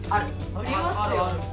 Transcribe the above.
ありますよ。